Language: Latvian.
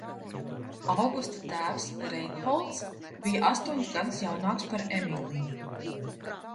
Augusta tēvs – Reinholds bija astoņus gadus jaunāks par Emīliju.